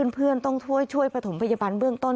เพื่อนต้องช่วยประถมพยาบาลเบื้องต้น